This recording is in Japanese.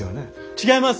違います！